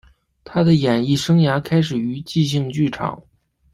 他的演艺生涯开始于即兴剧场。